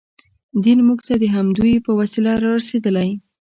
دین موږ ته د همدوی په وسیله رارسېدلی.